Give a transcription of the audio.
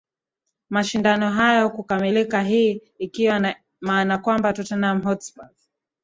mashindano hayo kukamilika hii ikiwa ina maana kwamba tottenham hotspurs